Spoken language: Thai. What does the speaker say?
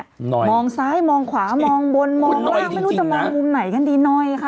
หน่อยมองซ้ายมองขวามองบนมองล่างไม่รู้จะมองมุมไหนกันดีหน่อยค่ะ